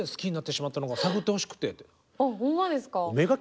あっほんまですか？